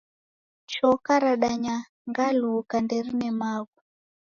Choka radanyangaluka, nderine maghu.